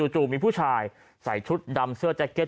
จู่มีผู้ชายใส่ชุดดำเสื้อแจ็คเก็ต